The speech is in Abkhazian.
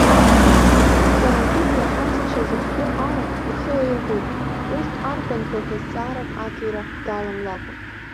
Кьарантыхә иаҳаз дшазыхиоу ала ихы лаирҟәит, урҭ арбанқәоу ҳәа зҵаарак аҭира даламлакәа.